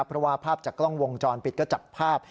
เพราะว่าภาพจากกล้องวงจรปิดก็จับภาพ